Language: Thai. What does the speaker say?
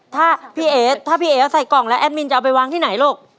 ถ้าพี่เอ๋ถ้าพี่เอ๋ใส่กล่องแล้วแอดมินจะเอาไปวางที่ไหนลูก